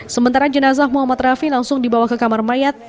sementara jenazah muhammad rafi langsung dibawa ke kamar mayat